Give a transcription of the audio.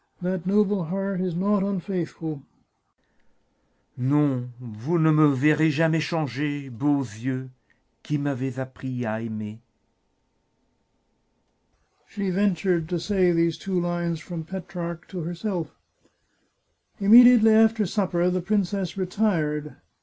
" That noble heart is not unfaithful." " Non ! vous ne me verrez jamais changer Beaux yeux, qui m'avez appris k aimer !" She ventured to say these two lines from Petrarch to her self. Immediately after supper the princess retired.